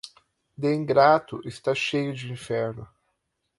De ingrato, está cheio de inferno.